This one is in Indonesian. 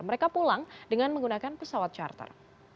mereka pulang dengan menggunakan pesawat charter